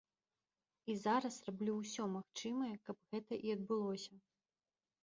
І зараз раблю ўсё магчымае, каб гэта і адбылося.